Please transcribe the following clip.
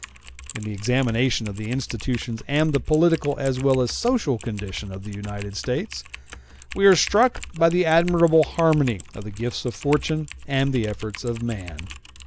In the examination of the institutions and the political as well as social condition of the United States, we are struck by the admirable harmony of the gifts of fortune and the efforts of man.